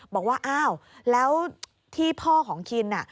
บอกว่าอ้าวแล้วที่พ่อของคิน